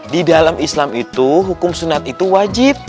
di dalam islam itu hukum sunat itu wajib